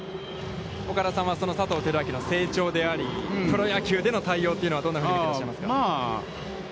岡田さんはその佐藤輝明の成長であり、プロ野球での対応というのは、どんなふうに見ていらっしゃいますか。